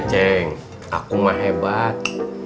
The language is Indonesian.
ceng aku mah hebat